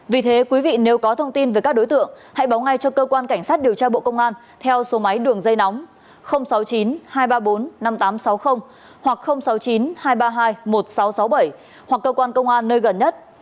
vì thế quý vị nếu có thông tin về các đối tượng hãy báo ngay cho cơ quan cảnh sát điều tra bộ công an theo số máy đường dây nóng sáu mươi chín hai trăm ba mươi bốn năm nghìn tám trăm sáu mươi hoặc sáu mươi chín hai trăm ba mươi hai một nghìn sáu trăm sáu mươi bảy hoặc cơ quan công an nơi gần nhất